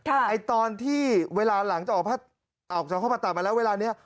ไอ้ตอนที่เวลาหลังจากออกจากห้องผ่าตัดมาแล้วเวลานี้